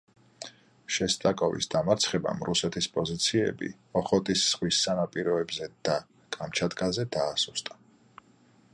შესტაკოვის დამარცხებამ რუსეთის პოზიციები ოხოტის ზღვის სანაპიროებზე და კამჩატკაზე დაასუსტა.